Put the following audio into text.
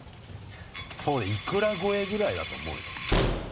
そうね伊倉超えぐらいだと思うよ。